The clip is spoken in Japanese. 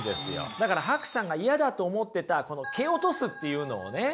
だからＨＡＫＵさんが嫌だと思ってたこの蹴落とすっていうのをね